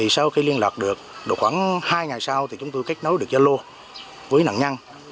sau khi liên lạc được khoảng hai ngày sau chúng tôi kết nối được gia lô với nạn nhân